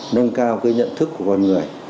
nâng cao cái nhận thức của con người